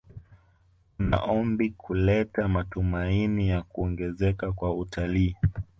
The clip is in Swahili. Kuna ombi kuleta matumaini ya kuongezeka kwa utalii